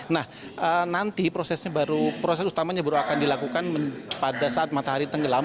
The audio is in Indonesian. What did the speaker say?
nah nanti prosesnya baru proses utamanya baru akan dilakukan pada saat matahari tenggelam